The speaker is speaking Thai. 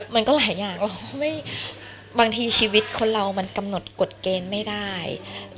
มันก็หลายอย่างบางทีชีวิตคนเรามันกำหนดกฎเกณฑ์ไม่ได้